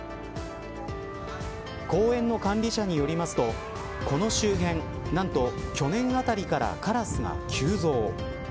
公園の管理者によりますとこの周辺、何と去年あたりからカラスが急増。